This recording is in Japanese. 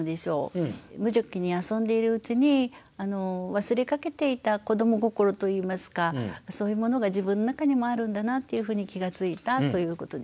無邪気に遊んでいるうちに忘れかけていた子ども心といいますかそういうものが自分の中にもあるんだなというふうに気が付いたということですね。